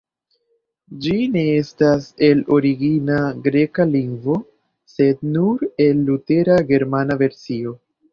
Ĝi ne estas el origina greka lingvo, sed nur el Lutera germana versio.